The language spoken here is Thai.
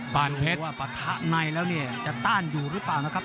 ปาถะในแล้วต้านอยู่เลยเปล่านะครับ